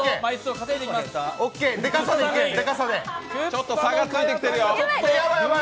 ちょっと差がついてきてるよ。